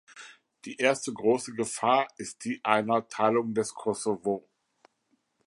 Die erste große Gefahr ist die einer Teilung des Kosovo.